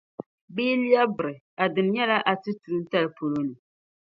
Bɛ yi lԑbi biri, a dini nyɛla a ti tuuntali polo ni.